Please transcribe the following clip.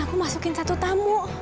dan aku masukin satu tamu